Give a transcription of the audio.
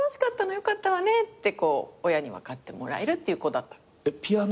よかったわねって親に分かってもらえるっていう子だった。